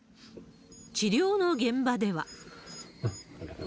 治療の現場では。